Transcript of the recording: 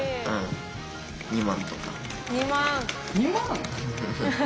２万！？